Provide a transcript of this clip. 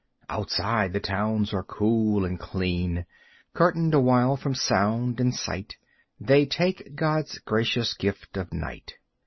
Outside the towns are cool and clean; Curtained awhile from sound and sight They take God's gracious gift of night.